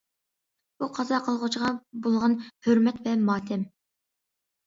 بۇ قازا قىلغۇچىغا بولغان ھۆرمەت ۋە ماتەم.